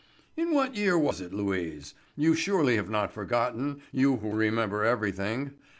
"In what year was it, Louise? You surely have not forgotten, you who remember everything.